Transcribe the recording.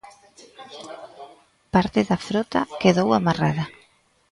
Parte da frota quedou amarrada.